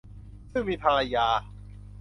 ซึ่งมีภรรยา